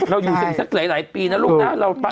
เราอยู่กันสักหลายปีนะลูกนะ